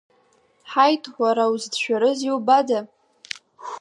Ҳаит, уара узыцәшәарыз иубада!